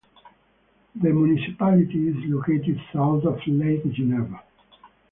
The municipality is located south of Lake Geneva.